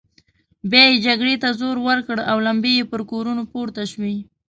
بيا يې جګړې ته زور ورکړ او لمبې يې پر کورونو پورته شوې.